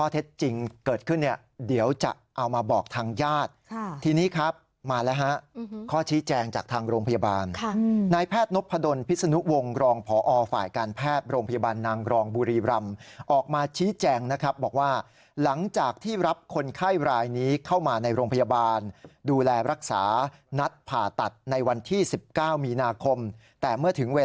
เท็จจริงเกิดขึ้นเนี่ยเดี๋ยวจะเอามาบอกทางญาติทีนี้ครับมาแล้วฮะข้อชี้แจงจากทางโรงพยาบาลนายแพทย์นพดลพิศนุวงศ์รองพอฝ่ายการแพทย์โรงพยาบาลนางรองบุรีรำออกมาชี้แจงนะครับบอกว่าหลังจากที่รับคนไข้รายนี้เข้ามาในโรงพยาบาลดูแลรักษานัดผ่าตัดในวันที่๑๙มีนาคมแต่เมื่อถึงเวลา